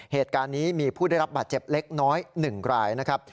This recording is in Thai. เหตุการณ์นี้มีผู้ได้รับบาดเจ็บเล็กน้อย๑รายนะครับ